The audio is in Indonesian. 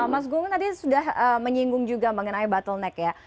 mas gungun tadi sudah menyinggung juga mengenai bottleneck ya